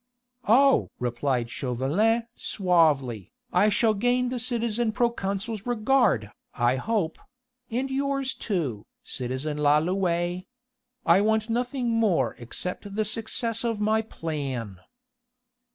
"Oh!" replied Chauvelin suavely, "I shall gain the citizen proconsul's regard, I hope and yours too, citizen Lalouët. I want nothing more except the success of my plan."